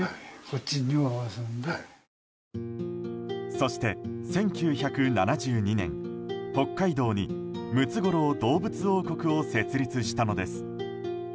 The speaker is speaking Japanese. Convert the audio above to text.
そして１９７２年、北海道にムツゴロウ動物王国を設立したのです。